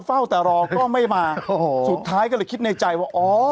เฝ้าแต่รอก็ไม่มาสุดท้ายก็เลยคิดในใจว่า